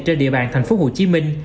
trên địa bàn tp hcm